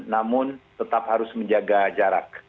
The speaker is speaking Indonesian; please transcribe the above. namun tetap harus menjaga jarak